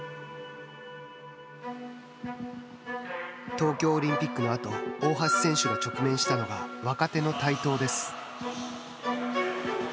東京オリンピックのあと大橋選手が直面したのが若手の台頭です。